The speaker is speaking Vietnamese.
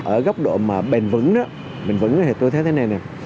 ở góc độ mà bình vẩn đó bình vẩn thì tôi thấy thế này nè